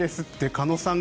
鹿野さん